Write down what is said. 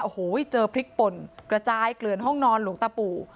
โอ้โหเจอพริกป่นกระจายเกลือนห้องนอนหลวงตาปู่